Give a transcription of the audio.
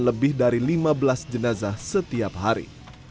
lebih dari lima belas jenazah setiap hari